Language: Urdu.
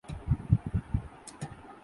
نہ کوئی تحریک چلی۔